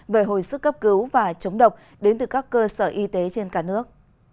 về hồi sức cấp cứu và chống độc đến từ các cơ sở y tế trên cả nước